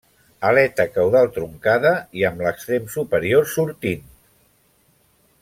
Aleta caudal truncada i amb l'extrem superior sortint.